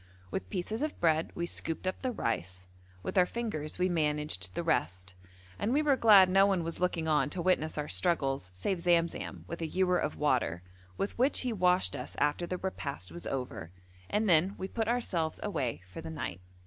With pieces of bread we scooped up the rice, with our fingers we managed the rest, and we were glad no one was looking on to witness our struggles save Zamzam with a ewer of water, with which he washed us after the repast was over, and then we put ourselves away for the night.